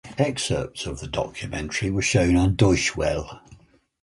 Excerpts of the documentary were showed on Deutsche Welle.